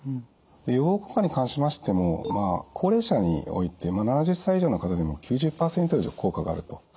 で予防効果に関しましてもまあ高齢者において７０歳以上の方でも９０％以上効果があると。